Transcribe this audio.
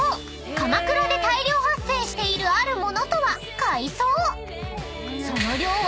鎌倉で大量発生しているあるものとは］